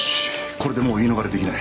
これでもう言い逃れできない。